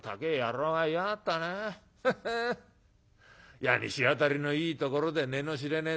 いやに日当たりのいいところで値の知れねえ